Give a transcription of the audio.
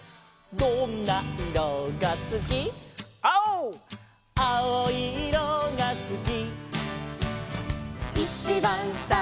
「どんないろがすき」「」「きいろいいろがすき」